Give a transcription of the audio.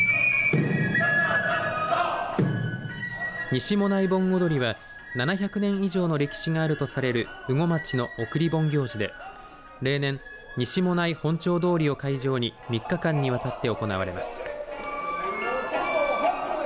西馬音内盆踊りは７００年以上の歴史があるとされる羽後町の送り盆行事で例年、西馬音内本町通りを会場に３日間にわたって行われます。